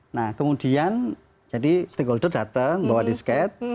nah kemudian jadi stakeholder datang bawa disket